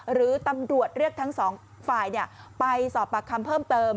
หรือตำรวจเรียกทั้งสองฝ่ายไปสอบปากคำเพิ่มเติม